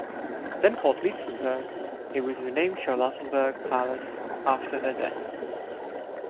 Then called "Lietzenburg", it was renamed Charlottenburg Palace after her death.